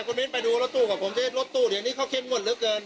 คุณมิ้นไปดูรถตู้กับผมซิรถตู้เดี๋ยวนี้เขาเข้มงวดเหลือเกิน